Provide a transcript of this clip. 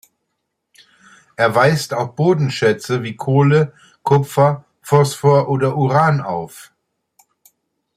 Er weist auch Bodenschätze wie Kohle, Kupfer, Phosphor oder Uran auf.